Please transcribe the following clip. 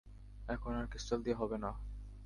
এখন আর ক্রিস্টাল দিয়ে হবে না।